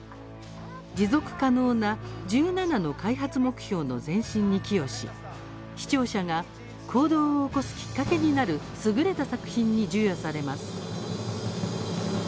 持続可能な１７の開発目標の前進に寄与し視聴者が行動を起こすきっかけになる優れた作品に授与されます。